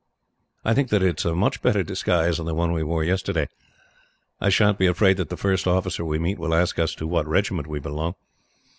I think that it is a much better disguise than the one we wore yesterday. I sha'n't be afraid that the first officer we meet will ask us to what regiment we belong.